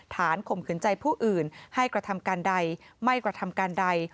ข่มขืนใจผู้อื่นให้กระทำการใดไม่กระทำการใด